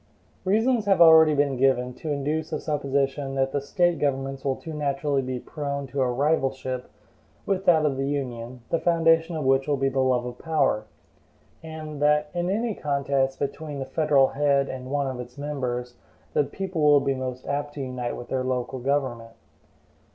Reasons have been already given to induce a supposition that the State governments will too naturally be prone to a rivalship with that of the Union, the foundation of which will be the love of power; and that in any contest between the federal head and one of its members the people will be most apt to unite with their local government.